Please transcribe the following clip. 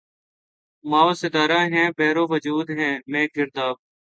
مہ و ستارہ ہیں بحر وجود میں گرداب